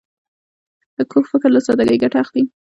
کوږ فکر له سادګۍ ګټه اخلي